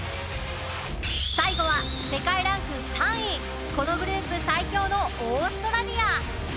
最後は世界ランク３位このグループ最強のオーストラリア。